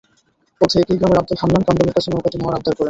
পথে একই গ্রামের আবদুল হান্নান কামরুলের কাছে নৌকাটি নেওয়ার আবদার করেন।